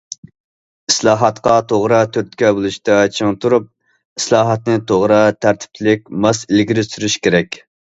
ئىسلاھاتقا توغرا تۈرتكە بولۇشتا چىڭ تۇرۇپ، ئىسلاھاتنى توغرا، تەرتىپلىك، ماس ئىلگىرى سۈرۈش كېرەك.